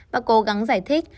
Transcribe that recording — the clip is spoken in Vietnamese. và cố gắng giải thích